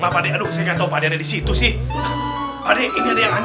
paklin sudah setdn abang